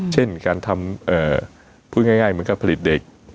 เช่นการทำพูดง่ายเหมือนกับผลิตเด็ก